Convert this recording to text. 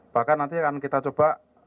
bahkan nanti akan kita coba